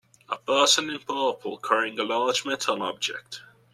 A person in purple carrying a large metal object.